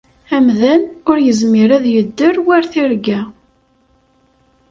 Amdan ur yezmir ad yedder war tirga.